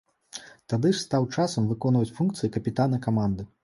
Тады ж стаў часам выконваць функцыі капітана каманды.